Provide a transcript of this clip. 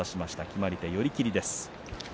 決まり手は寄り切りです。